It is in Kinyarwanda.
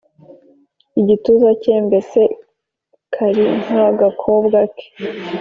igituza cye Mbese kari nk agakobwa ke